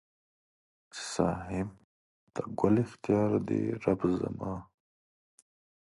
چې صاحب د کل اختیار دې رب زما